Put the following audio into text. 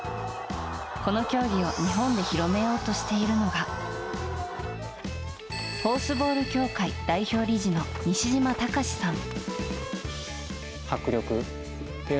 この競技を日本で広めようとしているのがホースボール協会代表理事の西島隆史さん。